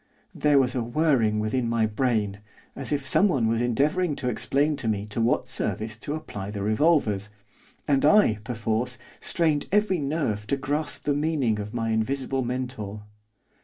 There was a whirring within my brain, as if someone was endeavouring to explain to me to what service to apply the revolvers, and I, perforce, strained every nerve to grasp the meaning of my invisible mentor.